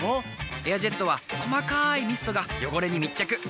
「エアジェット」は細かいミストが汚れに密着。